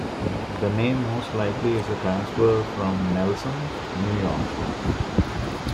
The name most likely is a transfer from Nelson, New York.